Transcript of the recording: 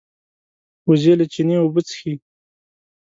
وزې له چینې اوبه څښي